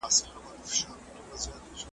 تاوېدم لکه پېچک له ارغوانه ,